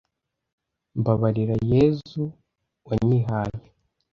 Mbabarira Yezu wanyihaye